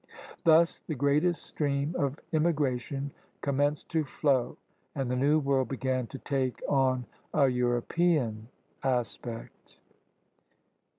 Thus the greatest stream of immigration commenced to flow, and the New World began to take on a European aspect.